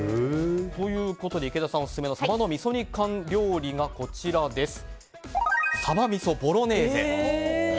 ということで池田さんオススメのサバのみそ煮缶料理がサバ味噌ボロネーゼです。